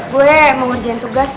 gue mau ngerjain tugas